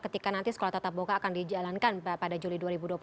ketika nanti sekolah tatap muka akan dijalankan pada juli dua ribu dua puluh satu